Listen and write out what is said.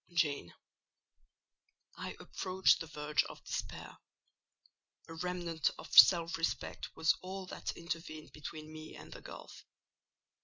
"Jane, I approached the verge of despair; a remnant of self respect was all that intervened between me and the gulf.